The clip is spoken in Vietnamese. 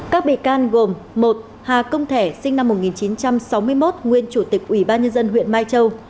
các bị can gồm một hà công thẻ sinh năm một nghìn chín trăm sáu mươi một nguyên chủ tịch ubnd huyện mai châu